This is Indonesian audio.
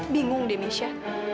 bingung deh misha